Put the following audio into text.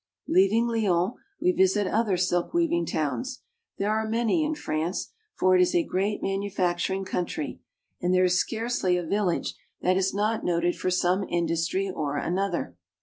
Leaving Lyons, we visit other silk weaving towns. There are many in France, for it is a great manufac turing country, and there is scarcely a village that is not (i©3) 104 FRANCE. noted for some industry or other.